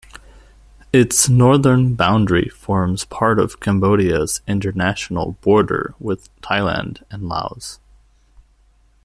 Its northern boundary forms part of Cambodia's international border with Thailand and Laos.